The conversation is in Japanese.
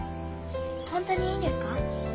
本当にいいんですか？